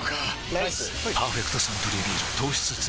ライス「パーフェクトサントリービール糖質ゼロ」